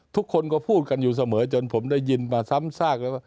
ทุกคนก็พูดกันอยู่เสมอจนผมได้ยินมาซ้ำซากเลยว่า